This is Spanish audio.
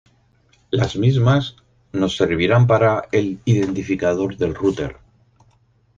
Las mismas nos servirán para el identificador del router.